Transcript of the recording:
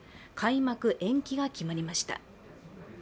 開幕延期が決まりました。